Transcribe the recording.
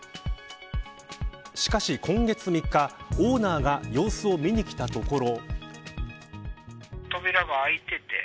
しかし今月３日オーナーが様子を見に来たところ。